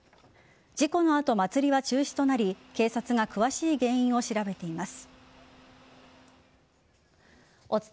事故の後、祭りは中止となり警察が詳しい原因を調べています。